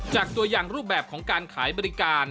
จากตัวอย่างรูปแบบของการขายบริการ